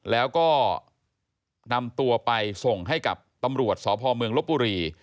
แล้วก็นำตัวไปส่งให้กับตำรวจสพเมืองลบบุรี